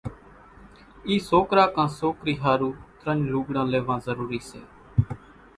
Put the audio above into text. اِي سوڪرا ڪان سوڪري ۿارُو ترڃ لوڳڙان ليوان ضروري سي۔